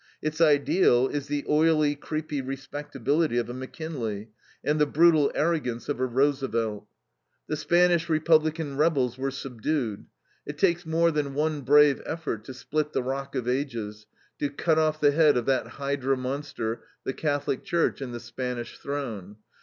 Its ideal is the oily, creepy respectability of a McKinley, and the brutal arrogance of a Roosevelt. The Spanish republican rebels were subdued. It takes more than one brave effort to split the rock of ages, to cut off the head of that hydra monster, the Catholic Church and the Spanish throne.